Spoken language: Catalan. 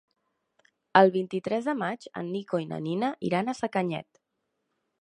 El vint-i-tres de maig en Nico i na Nina iran a Sacanyet.